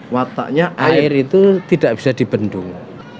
wataknya air itu tidak bisa dibendung